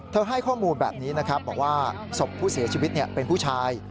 เธอให้ข้อมูลแบบนี้ว่าศพผู้เสียชีวิตเป็นผู้ชาย